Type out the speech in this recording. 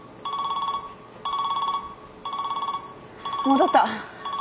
戻った。